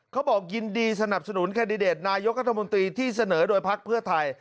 เขาบอกยินดีสนับสนุนแคนดิเดตนายกรัฐมนตรีที่เสนอโดยพักเพื่อไทย